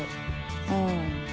うん。